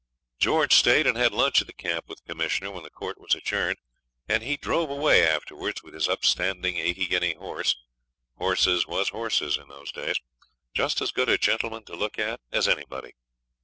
George stayed and had lunch at the camp with the Commissioner when the court was adjourned, and he drove away afterwards with his upstanding eighty guinea horse horses was horses in those days just as good a gentleman to look at as anybody.